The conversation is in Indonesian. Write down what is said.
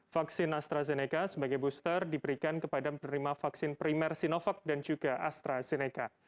vaksin astrazeneca sebagai booster diberikan kepada penerima vaksin primer sinovac dan juga astrazeneca